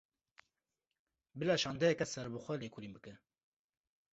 Bila şandeyeke serbixwe lêkolîn bike